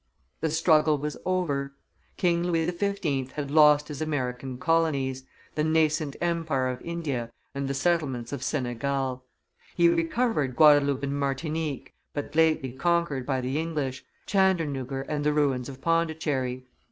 The struggle was over. King Louis XV. had lost his American colonies, the nascent empire of India, and the settlements of Senegal. He recovered Guadaloupe and Martinique, but lately conquered by the English, Chandernuggur and the ruins of Pondicherry.